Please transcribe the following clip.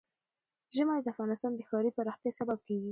ژمی د افغانستان د ښاري پراختیا سبب کېږي.